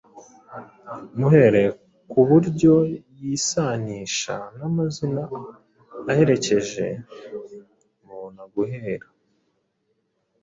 Muhereye ku buryo yisanisha n’amazina aherekeje, mubona guhera